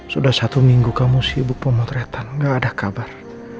sudah satu minggu kamu sibuk pemotretan enggak ada kabar